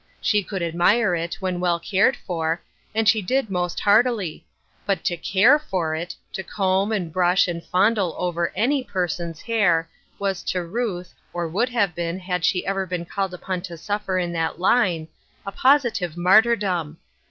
She could admire it, when well cared for, and she did most heartily. But to care for it, to comb and brush and fondle over any per son's hair, was to Ruth, or would have been had she ever been called upon to suffer in that line, a positive martyrdom.